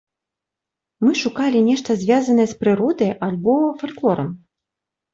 Мы шукалі нешта звязанае з прыродай альбо фальклорам.